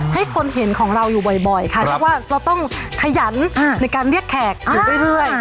ให้คนเห็นของเราอยู่บ่อยค่ะเรียกว่าเราต้องขยันในการเรียกแขกอยู่เรื่อย